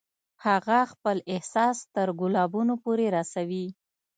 هغه خپل احساس تر ګلابونو پورې رسوي